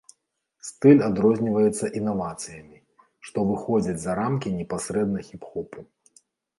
Стыль адрозніваецца інавацыямі, што выходзяць за рамкі непасрэдна хіп-хопу.